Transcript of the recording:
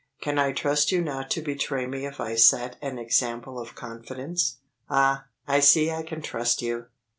Can I trust you not to betray me if I set an example of confidence? Ah, I see I can trust you!